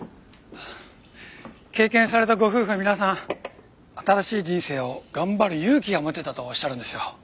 経験されたご夫婦は皆さん新しい人生を頑張る勇気が持てたとおっしゃるんですよ。